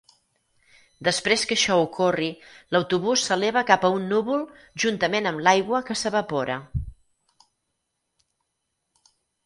Després que això ocorri, l'autobús s'eleva cap a un núvol juntament amb l'aigua que s'evapora.